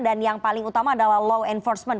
dan yang paling utama adalah law enforcement